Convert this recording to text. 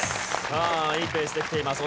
さあいいペースできています。